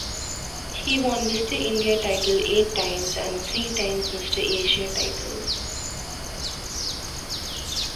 He won Mister India title eight times and three times Mister Asia titles.